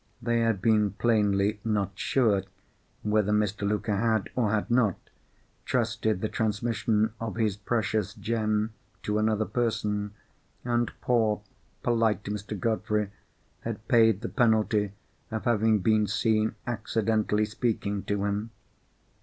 They had been plainly not sure whether Mr. Luker had, or had not, trusted the transmission of his precious gem to another person; and poor polite Mr. Godfrey had paid the penalty of having been seen accidentally speaking to him.